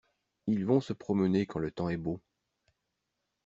Ils vont se promener quand le temps est beau.